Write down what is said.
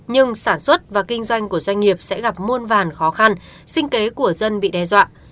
nhưng sản xuất và kinh doanh của doanh nghiệp sẽ gặp muôn vàn khó khăn sinh kế của dân bị đe dọa